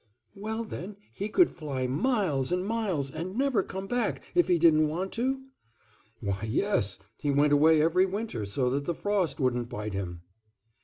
"Well, then, he could fly miles and miles, and never come back, if he didn't want to?" "Why, yes; he went away every winter, so that the frost wouldn't bite him."